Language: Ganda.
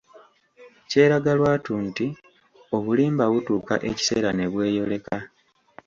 Kyeraga lwatu nti obulimba butuuka ekiseera ne bweyoleka.